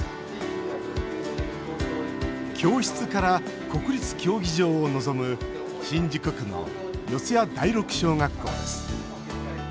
教室から国立競技場を望む新宿区の四谷第六小学校です。